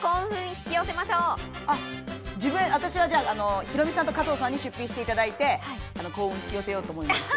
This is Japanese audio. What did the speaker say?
あ自分へ私はヒロミさんと加藤さんに出費していただいて幸運引き寄せようと思います。